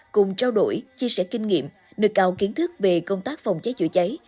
cùng trao đổi chia sẻ kinh nghiệm nực cao kiến thức về công tác phòng cháy chữa cháy